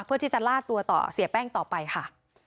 เพื่อที่จะล่าตัวต่อเสียแป้งต่อไปค่ะ